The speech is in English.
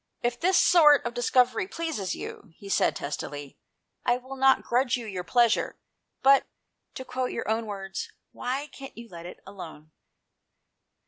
" If this sort of 166 &HOST TALES. discovery pleases you," he said testily, "I will not grudge you your pleasure, but, to quote your own words, why can't you let it alone